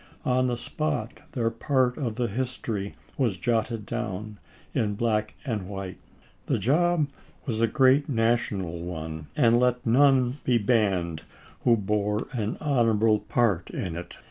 On the spot, their part of the history was jotted down in black and white. The job was a great national one, and let none be banned who bore an honorable part in it.